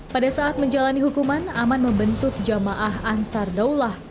pada saat menjalani hukuman aman membentuk jamaah ansar daulah